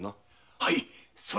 はい。